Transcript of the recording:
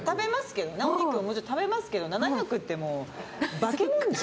お肉もちろん食べますけど７００ってもう化け物じゃん。